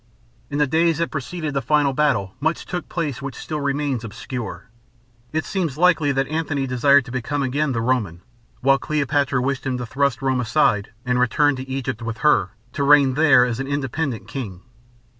In the days that preceded the final battle much took place which still remains obscure. It seems likely that Antony desired to become again the Roman, while Cleopatra wished him to thrust Rome aside and return to Egypt with her, to reign there as an independent king.